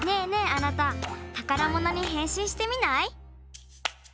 あなたたからものにへんしんしてみない？